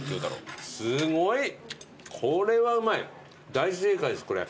大正解ですこれ。